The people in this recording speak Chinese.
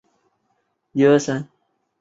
町域内有东急池上线御岳山站。